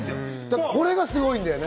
これがすごいんだよね。